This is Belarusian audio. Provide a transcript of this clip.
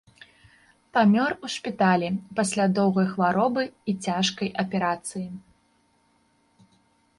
Памёр у шпіталі пасля доўгай хваробы і цяжкай аперацыі.